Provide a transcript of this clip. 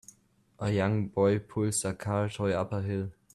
A young boy pulls a car toy up a hill.